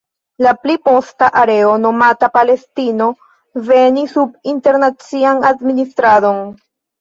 La pli posta areo, nomata Palestino venis sub internacian administradon.